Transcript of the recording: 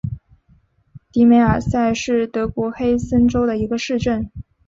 迪梅尔塞是德国黑森州的一个市镇。